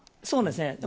そうですね。